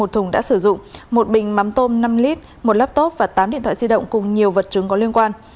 một thùng đã sử dụng một bình mắm tôm năm l một laptop và tám điện thoại di động cùng nhiều vật chứng có liên quan